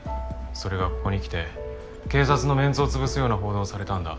それがここにきて警察のメンツを潰すような報道をされたんだ。